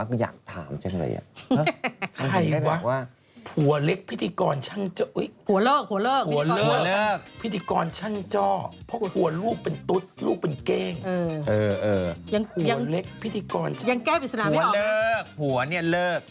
เขาก็อยากถามจริงเลย